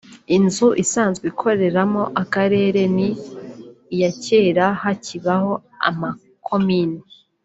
Inzu isanzwe ikoreramo akarere ni iya kera hakibaho amakomini